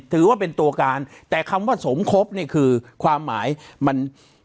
ถือว่าเป็นตัวการแต่คำว่าสมคบนี่คือความหมายมัน